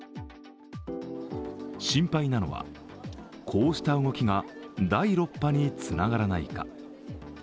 心配なのは、こうした動きが第６波につながらないか。